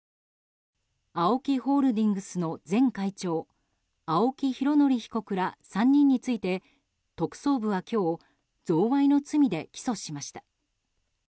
ＡＯＫＩホールディングスの前会長、青木拡憲被告ら３人について、特捜部は今日贈賄の罪で起訴しました。